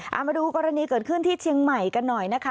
เอามาดูกรณีเกิดขึ้นที่เชียงใหม่กันหน่อยนะคะ